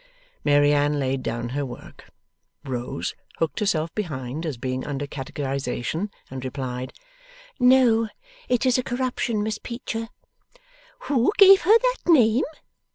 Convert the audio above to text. Mary Anne laid down her work, rose, hooked herself behind, as being under catechization, and replied: 'No, it is a corruption, Miss Peecher.' 'Who gave her that name?